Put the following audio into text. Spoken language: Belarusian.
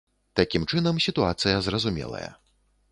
Такім чынам, сітуацыя зразумелая.